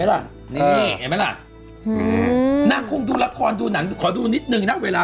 เราก็เร่งว่าว่าเราก็เร่งว่าว่า